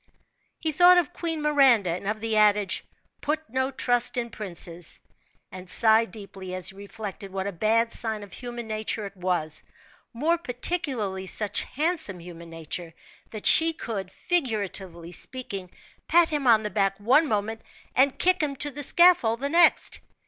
He thought of Queen Miranda, and of the adage, "put no trust in princes," and sighed deeply as he reflected what a bad sign of human nature it was more particularly such handsome human nature that she could, figuratively speaking, pat him on the back one moment, and kick him to the scaffold the next.